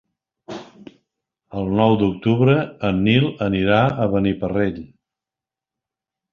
El nou d'octubre en Nil anirà a Beniparrell.